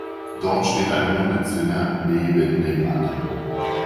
Dort steht ein Hundezwinger neben dem anderen.